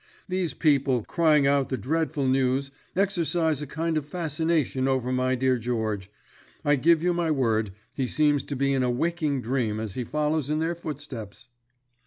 These people, crying out the dreadful news, excercise a kind of fascination over my dear George. I give you my word, he seems to be in a waking dream as he follows in their footsteps."